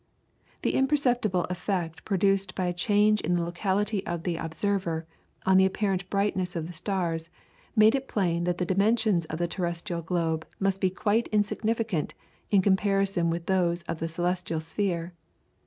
The imperceptible effect produced by a change in the locality of the observer on the apparent brightness of the stars made it plain that the dimensions of the terrestrial globe must be quite insignificant in comparison with those of the celestial sphere.